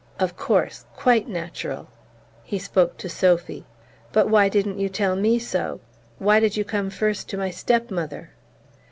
"Of course quite natural." He spoke to Sophy. "But why didn't you tell me so? Why did you come first to my step mother?"